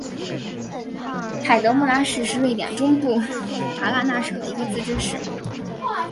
海德穆拉市是瑞典中部达拉纳省的一个自治市。